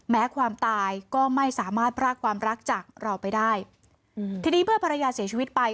ความตายก็ไม่สามารถพรากความรักจากเราไปได้อืมทีนี้เมื่อภรรยาเสียชีวิตไป